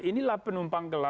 inilah penumpang gelap